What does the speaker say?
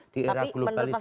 di era globalisasi